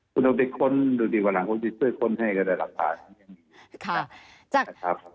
คุณภิกษ์คนดูดีกว่าหลังคนที่ช่วยคนให้ก็ได้รับภาพ